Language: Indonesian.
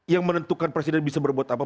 yang menentukan presiden bisa berbuat apa